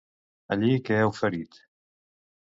Allí què ha oferit?